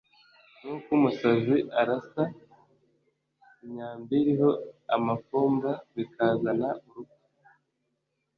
nk’uko umusazi arasa imyambi iriho amafumba bikazana urupfu,